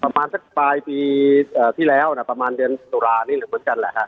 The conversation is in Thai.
ประมาณสักปลายปีที่แล้วนะประมาณเดือนตุลานี้หรือเหมือนกันแหละฮะ